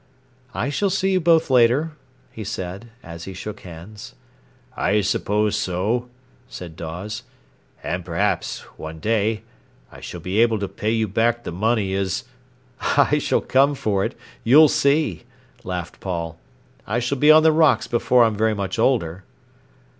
"I shall see you both later," he said, as he shook hands. "I suppose so," said Dawes. "An' perhaps—one day—I s'll be able to pay you back the money as—" "I shall come for it, you'll see," laughed Paul. "I s'll be on the rocks before I'm very much older."